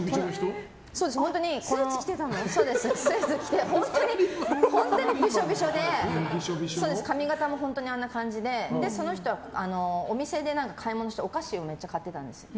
スーツ着て本当にびしょびしょで髪形も本当にあんな感じでその人はお店で買い物してお菓子をめっちゃ買ってたんです。